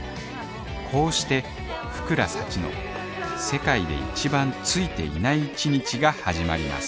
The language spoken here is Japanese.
こうして福良幸の世界で一番「ついていない」１日が始まります